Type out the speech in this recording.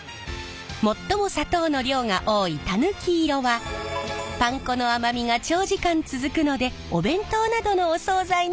最も砂糖の量が多いタヌキ色はパン粉の甘みが長時間続くのでお弁当などのお総菜にぴったり。